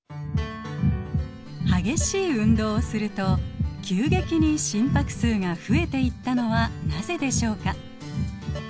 激しい運動をすると急激に心拍数が増えていったのはなぜでしょうか？